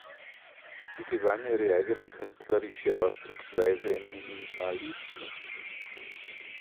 Sie gewann ihre eigene künstlerische Ausdrucksweise im Minimalismus.